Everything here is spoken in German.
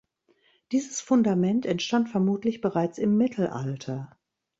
Dieses Fundament entstand vermutlich bereits im Mittelalter.